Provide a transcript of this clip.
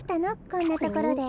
こんなところで。